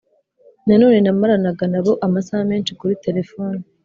Nanone namaranaga na bo amasaha menshi kuri telefoni